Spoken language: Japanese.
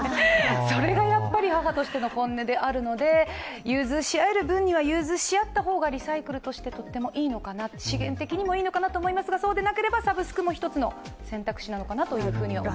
それがやっぱり母としての本音であるので、融通しあえる分には融通しあった方がとってもいいのかな、資源的にもいいのかなと思いますが、そうでなければ、サブスクも１つの選択肢なのかなと思います。